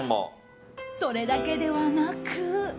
それだけではなく。